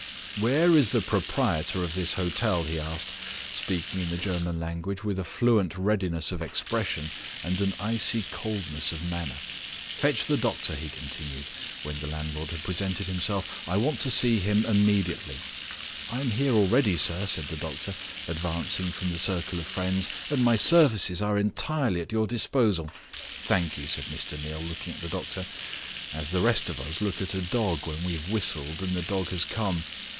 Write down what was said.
"Where is the proprietor of this hotel?" he asked, speaking in the German language, with a fluent readiness of expression, and an icy coldness of manner. "Fetch the doctor," he continued, when the landlord had presented himself, "I want to see him immediately." "I am here already, sir," said the doctor, advancing from the circle of friends, "and my services are entirely at your disposal." "Thank you," said Mr. Neal, looking at the doctor, as the rest of us look at a dog when we have whistled and the dog has come.